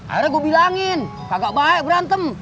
akhirnya gue bilangin kakak baik berantem